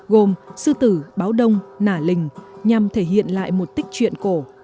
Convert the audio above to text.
gồm sư tử báo đông nả linh nhằm thể hiện lại một tích chuyện cổ